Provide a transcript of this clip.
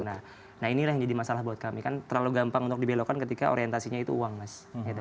nah inilah yang jadi masalah buat kami kan terlalu gampang untuk dibelokkan ketika orientasinya itu uang mas